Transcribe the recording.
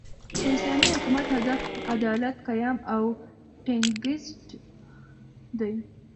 د اسلامي حکومت، هدف عدالت، قیام او ټینګښت دئ.